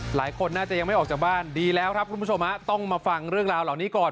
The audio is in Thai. หลายคนน่าจะยังไม่ออกจากบ้านดีแล้วครับคุณผู้ชมฮะต้องมาฟังเรื่องราวเหล่านี้ก่อน